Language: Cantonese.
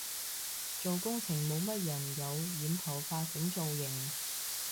做工程冇乜人有染頭髮整造型